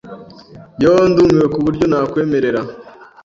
Yoo ndumiwe kuburyo nakwemerera!